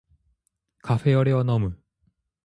カフェオレを飲む